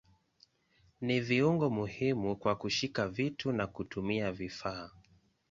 Ni viungo muhimu kwa kushika vitu na kutumia vifaa.